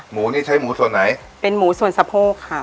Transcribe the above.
หมูนี่ใช้หมูส่วนไหนเป็นหมูส่วนสะโพกค่ะ